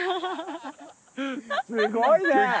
すごいね！